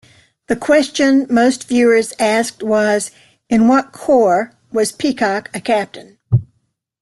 The question most viewers asked was: in what corps was Peacock a captain?